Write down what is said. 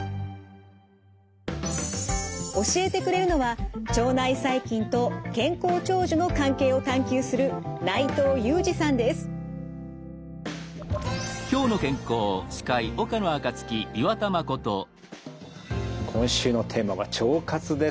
教えてくれるのは腸内細菌と健康長寿の関係を探究する今週のテーマは「腸活」です。